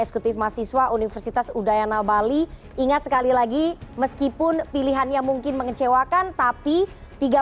eksekutif mahasiswa universitas udayana bali ingat sekali lagi meskipun pilihannya mungkin mengecewakan tapi tiga